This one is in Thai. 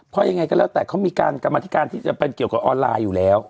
เพราะยังไงก็แล้วแต่เขามีการกรรมธิการที่จะเป็นเกี่ยวกับออนไลน์อยู่แล้ว